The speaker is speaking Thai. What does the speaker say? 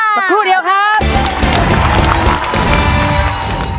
สักครู่เดียวครับ